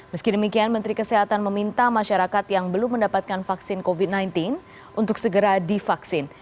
meski demikian menteri kesehatan meminta masyarakat yang belum mendapatkan vaksin covid sembilan belas untuk segera divaksin